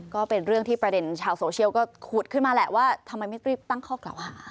ก็เป็นเรื่องที่ประเด็นชาวโซเชียลก็ขุดขึ้นมาแหละว่าทำไมไม่รีบตั้งข้อกล่าวหา